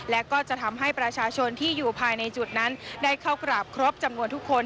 และก็จะทำให้ประชาชนที่อยู่ภายในจุดนั้นได้เข้ากราบครบจำนวนทุกคน